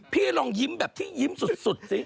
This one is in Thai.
พี่ลองยิ้มแบบที่ยิ้มสุดสิ